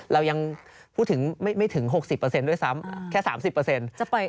เรายังพูดถึงไม่ถึง๖๐ด้วยซ้ำแค่๓๐